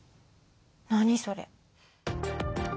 何それ？